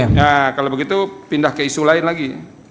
nah kalau begitu pindah ke isu lain lagi